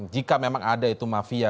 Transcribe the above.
jika memang ada itu mafia